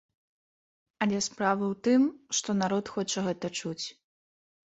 Але справа ў тым, што народ хоча гэта чуць.